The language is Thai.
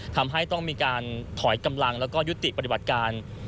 ทำให้ต้องมีการถอยกำลังแล้วก็ยุติปฏิบัติการ